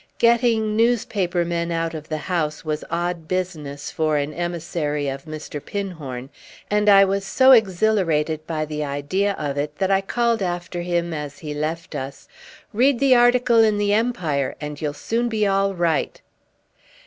Getting newspaper men out of the house was odd business for an emissary of Mr. Pinhorn, and I was so exhilarated by the idea of it that I called after him as he left us: "Read the article in The Empire and you'll soon be all right!"